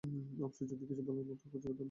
আফসোস, যদি কিছু বলার মত খুঁজে পেতাম তখন।